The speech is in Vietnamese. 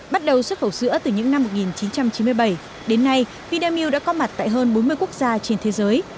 bắt đầu xuất khẩu sữa từ những năm một nghìn chín trăm chín mươi bảy đến nay vinamilk đã có mặt tại hơn bốn mươi quốc gia trên thế giới